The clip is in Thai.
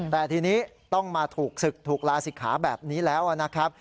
แต่ทีนี้ต้องมาถูกศึกถูกลาศิกขาแบบนี้แล้วนะครับ